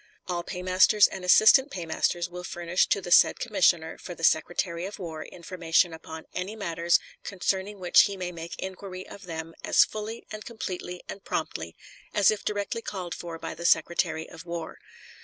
All paymasters and assistant paymasters will furnish to the said commissioner for the Secretary of War information upon any matters concerning which he may make inquiry of them as fully and completely and promptly as if directly called for by the Secretary of War.